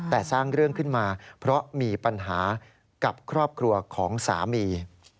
แต่สร้างเรื่องขึ้นมาเพราะมีปัญหากับครอบครัวของสามี